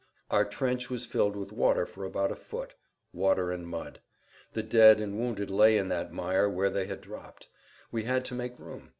Our trench was filled with water for about a foot—water and mud. The dead and wounded lay in that mire where they had dropped. We had to make room.